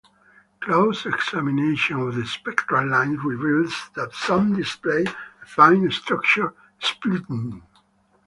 Close examination of the spectral lines reveals that some display a fine structure splitting.